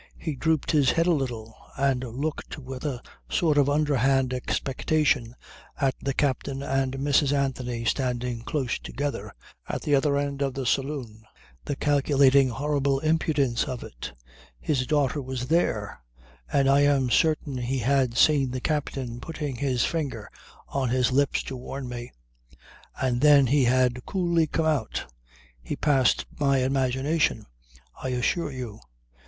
He drooped his head a little, and looked with a sort of underhand expectation at the captain and Mrs. Anthony standing close together at the other end of the saloon. The calculating horrible impudence of it! His daughter was there; and I am certain he had seen the captain putting his finger on his lips to warn me. And then he had coolly come out! He passed my imagination, I assure you.